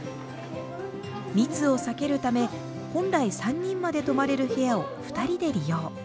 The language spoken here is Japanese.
密を避けるため本来３人まで泊まれる部屋を２人で利用。